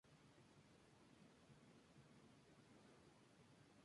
Se debe controlar básicamente la identificación del archivo, sector de inicio y sector final.